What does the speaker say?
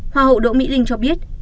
hoa hậu đỗ mỹ linh cho biết